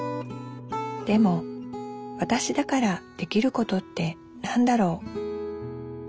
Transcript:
でもわたしだからできることって何だろう？